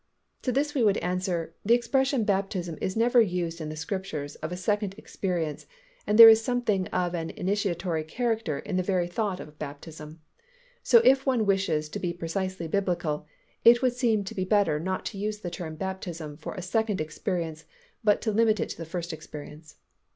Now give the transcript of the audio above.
To this we would answer, the expression "baptism" is never used in the Scriptures of a second experience and there is something of an initiatory character in the very thought of baptism, so if one wishes to be precisely Biblical, it would seem to be better not to use the term "baptism" of a second experience but to limit it to the first experience.